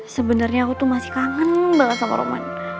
sebenarnya aku tuh masih kangen banget sama roman